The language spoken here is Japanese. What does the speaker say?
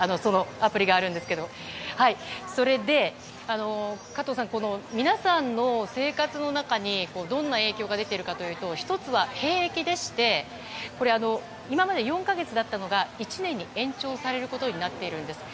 それで、加藤さん皆さんの生活の中にどんな影響が出ているかというと１つは兵役でしてこれ、今まで４か月だったのが１年に延長されることになっているんです。